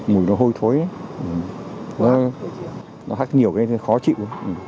mùi nó hôi thối nó hắc nhiều cái khó chịu